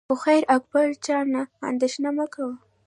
خو خیر اکبر جانه اندېښنه مه کوه.